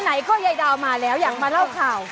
ไหนก็ยายดาวมาแล้วอยากมาเล่าข่าว